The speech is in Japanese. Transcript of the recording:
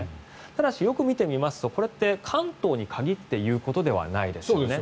ただしよく見てみますとこれって関東に限って言うことではないですよね。